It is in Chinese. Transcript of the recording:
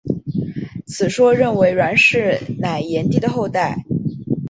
此说认为栾氏乃炎帝的后代。